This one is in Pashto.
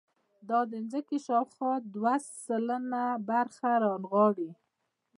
دا د ځمکې شاوخوا دوه سلنه برخه رانغاړي.